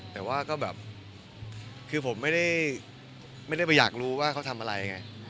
แต่ว่าก็แบบคือผมไม่ได้ไปอยากรู้ว่าเขาทำอะไรไง